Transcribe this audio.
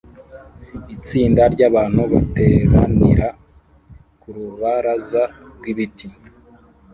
Itsinda ryabantu bateranira ku rubaraza rwibiti